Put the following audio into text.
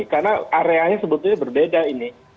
karena areanya sebetulnya berbeda ini